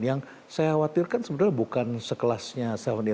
yang saya khawatirkan sebenarnya bukan sekelasnya tujuh sebelas